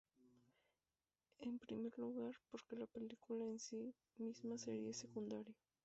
En primer lugar, porque la película en sí misma sería secundaria.